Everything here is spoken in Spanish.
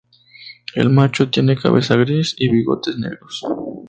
El macho tiene cabeza gris y bigotes negros.